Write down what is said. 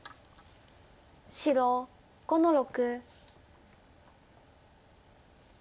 白５の六。